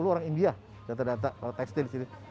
sembilan puluh orang india data data kalau tekstil disini